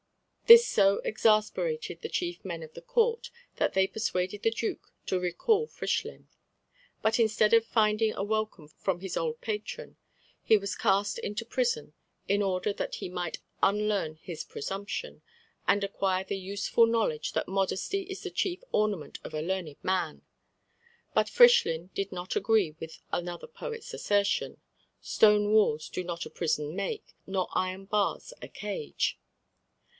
This so exasperated the chief men of the Court, that they persuaded the Duke to recall Frischlin; but instead of finding a welcome from his old patron, he was cast into prison, in order that he might unlearn his presumption, and acquire the useful knowledge that modesty is the chief ornament of a learned man. But Frischlin did not agree with another poet's assertion: "Stone walls do not a prison make, Nor iron bars a cage."